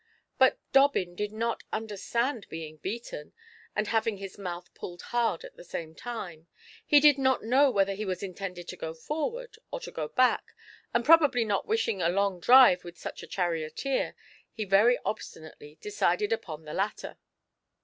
But Dobbin did not understand being beaten, and having his mouth pulled hard at the satne time ; he did not know whether he was intended to go forward or to go back, and probably not wishing a long drive with such a charioteer, he very obstinately decided upon the latter.